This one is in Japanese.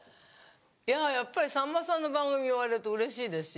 いややっぱりさんまさんの番組呼ばれるとうれしいですよ。